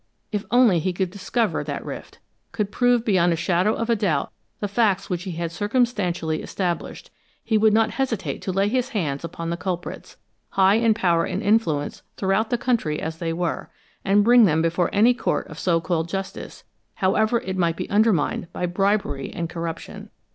If only he could discover that rift, could prove beyond a shadow of a doubt the facts which he had circumstantially established, he would not hesitate to lay his hands upon the culprits, high in power and influence throughout the country as they were, and bring them before any court of so called justice, however it might be undermined by bribery and corruption.